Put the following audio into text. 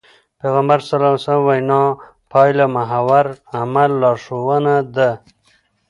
پيغمبر ص وينا پايلهمحور عمل لارښوونه ده.